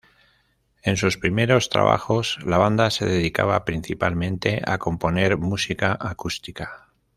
En sus primeros trabajos, la banda se dedicaba principalmente a componer música acústica.